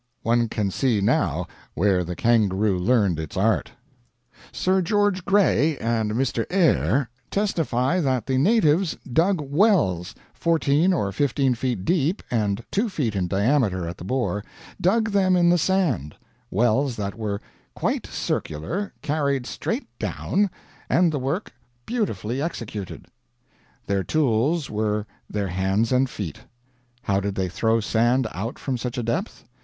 One can see now where the kangaroo learned its art. Sir George Grey and Mr. Eyre testify that the natives dug wells fourteen or fifteen feet deep and two feet in diameter at the bore dug them in the sand wells that were "quite circular, carried straight down, and the work beautifully executed." Their tools were their hands and feet. How did they throw sand out from such a depth?